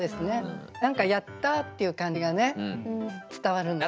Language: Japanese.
何かやったっていう感じがね伝わるんですよ。